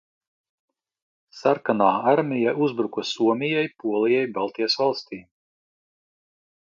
Sarkanā armija uzbruka Somijai, Polijai, Baltijas valstīm.